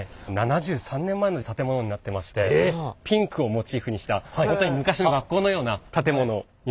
７３年前の建物になってましてピンクをモチーフにした本当に昔の学校のような建物になっております。